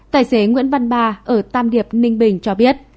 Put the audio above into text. tài xế nguyễn văn ba ở tam điệp ninh bình cho biết